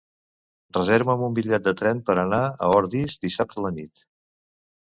Reserva'm un bitllet de tren per anar a Ordis dissabte a la nit.